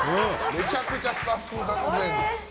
めちゃくちゃスタッフさんのせいに。